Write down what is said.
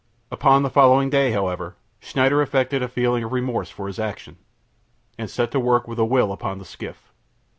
Upon the following day, however, Schneider affected a feeling of remorse for his action, and set to work with a will upon the skiff.